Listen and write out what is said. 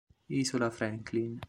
Isola Franklin